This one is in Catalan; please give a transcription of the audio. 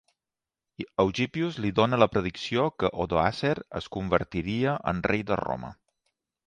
Eugippius li dona la predicció que Odoacer es convertiria en rei de Roma.